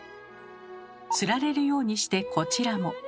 つられるようにしてこちらも。